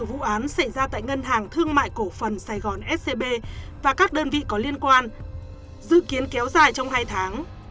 vụ án xảy ra tại ngân hàng thương mại cổ phần sài gòn scb và các đơn vị có liên quan dự kiến kéo dài trong hai tháng